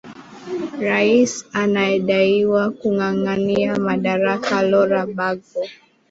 rais anayedaiwa kungangania madaraka lora bagbo